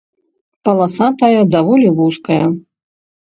Паласа тая даволі вузкая.